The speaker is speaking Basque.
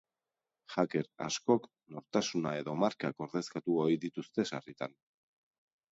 Hacker askok nortasuna edo markak ordezkatu ohi dituzte sarritan.